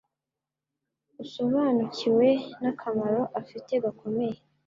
usobanukiwe n’akamaro afite gakomeye,